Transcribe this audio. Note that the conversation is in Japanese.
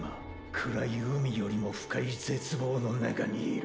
暗い海よりも深い「絶望」の中にいる！